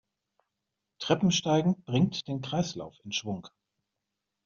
Treppensteigen bringt den Kreislauf in Schwung.